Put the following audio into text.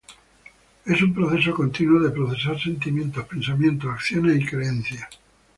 Es un proceso continuo de procesar sentimientos, pensamientos, acciones y creencias.